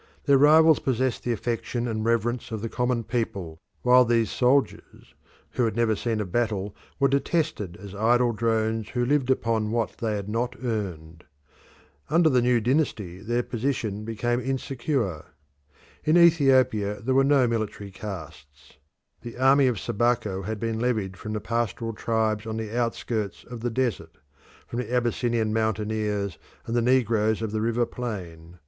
Their rivals possessed the affection and reverence of the common people, while these soldiers, who had never seen a battle, were detested as idle drones who lived upon what they had not earned. Under the new dynasty their position became insecure. In Ethiopia there was no military caste. The army of Sabaco had been levied from the pastoral tribes on the outskirts of the desert, from the Abyssinian mountaineers and the negroes of the river plain.